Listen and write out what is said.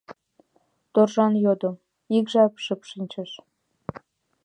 — Торжан йодо, ик жап шып шинчыш.